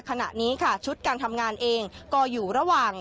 ขณะนี้ค่ะชุดการทำงานเองก็อยู่ระหว่าง